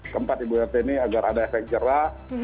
keempat ibu ini agar ada efek jerak